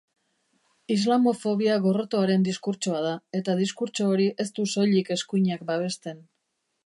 Islamofobia gorrotoaren diskurtsoa da, eta diskurtso hori ez du soilik eskuinak babesten.